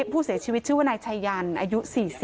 ผู้เสียชีวิตชื่อว่านายชายันอายุ๔๐